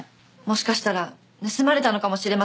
もしかしたら盗まれたのかもしれません。